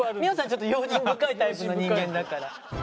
ちょっと用心深いタイプの人間だから。